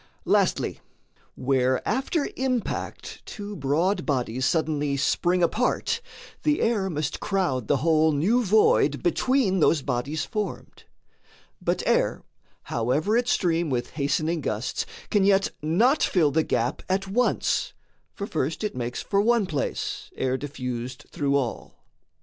Lastly, where after impact two broad bodies Suddenly spring apart, the air must crowd The whole new void between those bodies formed; But air, however it stream with hastening gusts, Can yet not fill the gap at once for first It makes for one place, ere diffused through all.